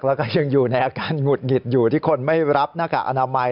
แล้วก็ยังอยู่ในอาการหงุดหงิดอยู่ที่คนไม่รับหน้ากากอนามัย